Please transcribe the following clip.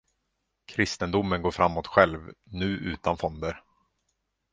Kristendomen går framåt själv nu utan fonder.